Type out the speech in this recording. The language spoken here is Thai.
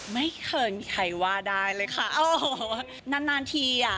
ไม่เคยมีใครว่าได้เลยค่ะโอ้โหนานนานทีอ่ะ